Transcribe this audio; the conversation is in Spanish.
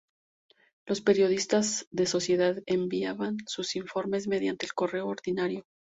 Los periodistas de sociedad enviaban sus informes mediante el correo ordinario.